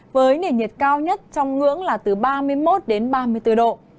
với nền nhiệt cao nhất trong ngưỡng là từ ba mươi một đến ba mươi bốn độ